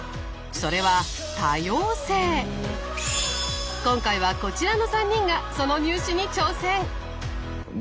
それは今回はこちらの３人がその入試に挑戦！